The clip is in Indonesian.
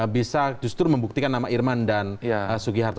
bisa justru membuktikan nama irman dan sugi harto